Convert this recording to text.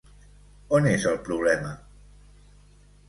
On és el problema?